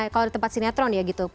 kalau di tempat sinetron ya gitu